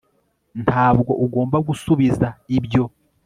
ntabwo ugomba gusubiza ibyo